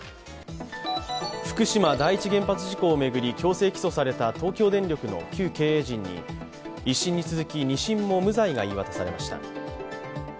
福島第一原発事故を巡り強制起訴された東京電力の旧経営陣に１審に続き、２審も無罪が言い渡されました。